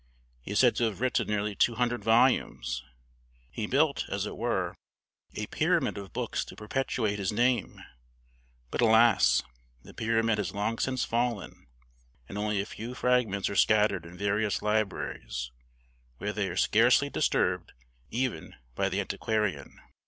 He is said to have written nearly two hundred volumes. He built, as it were, a pyramid of books to perpetuate his name: but, alas! the pyramid has long since fallen, and only a few fragments are scattered in various libraries, where they are scarcely disturbed even by the antiquarian.